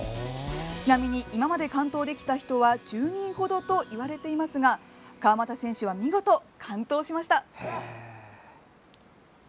ちなみに、今まで完登できた人は１０人ほどといわれていますが川又選手は見事、完登しました！